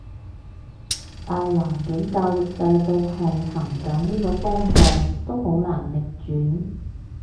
大環境教育制度係行緊呢個方向，都好難逆轉